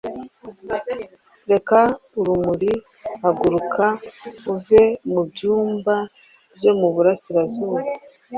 reka urumuri Haguruka uve mu byumba byo mu burasirazuba,